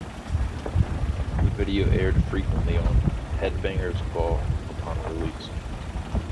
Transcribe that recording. The video aired frequently on "Headbangers Ball" upon release.